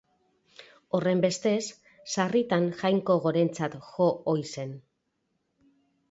Horrenbestez sarritan jainko gorentzat jo ohi zen.